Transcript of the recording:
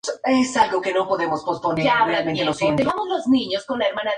El mago profesional "Mystic Max" es el anfitrión de un programa de telerrealidad.